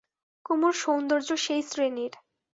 কুমুর সৌন্দর্য সেই শ্রেণীর।